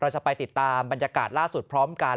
จะไปติดตามบรรยากาศล่าสุดพร้อมกัน